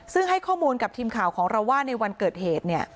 ซึ่งให้ข้อมูลกับทีมข่าวของเราว่าในวันเกิดเหตุ